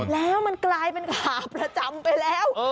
แล้วมันกลายเป็นขาประจำไปแล้ว